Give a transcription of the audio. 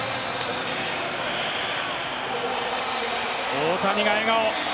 大谷が笑顔。